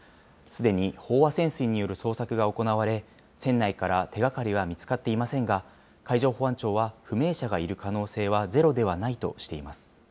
すでに飽和潜水による捜索が行われ、船内から手がかりは見つかっていませんが、海上保安庁は不明者がいる可能性はゼロではないとしています。